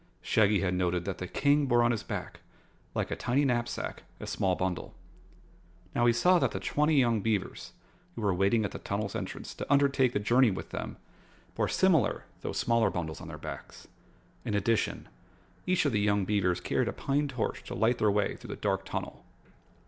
Shaggy had noted that the King bore on his back, like a tiny knapsack, a small bundle. Now he saw that the twenty young beavers, who were waiting at the tunnel's entrance to undertake the journey with them, bore similar though smaller bundles on their backs. In addition, each of the young beavers carried a pine torch to light the way through the dark tunnel.